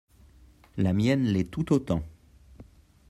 La mienne l’est tout autant.